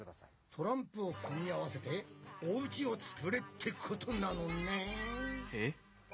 トランプを組み合わせてお家を作れってことなのねん！